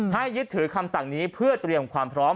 ยึดถือคำสั่งนี้เพื่อเตรียมความพร้อม